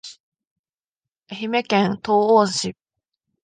愛媛県東温市